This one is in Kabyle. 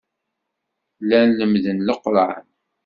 Llan lemmden Leqran.